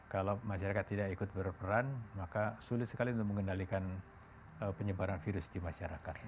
kalau masyarakat tidak ikut berperan maka sulit sekali untuk mengendalikan penyebaran virus di masyarakat